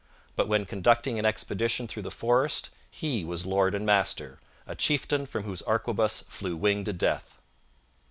But when conducting an expedition through the forest he was lord and master, a chieftain from whose arquebus flew winged death.